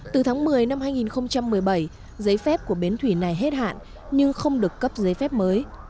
từ tháng một mươi năm hai nghìn một mươi bảy giấy phép của bến thủy này hết hạn nhưng không được cấp giấy phép mới